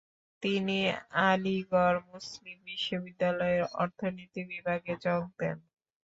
তিনি আলিগড় মুসলিম বিশ্ববিদ্যালয়ের অর্থনীতি বিভাগে যোগ দেন।